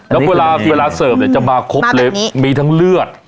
แล้วเวลาเวลาเสิร์ฟเนี้ยจะมาครบเลยมาแบบนี้มีทั้งเลือด